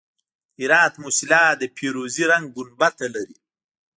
د هرات موسیلا د فیروزي رنګ ګنبد لري